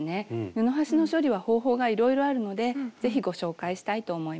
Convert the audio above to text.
布端の処理は方法がいろいろあるのでぜひご紹介したいと思います。